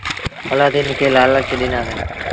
الآدين کي لآلچ ڏنآندي۔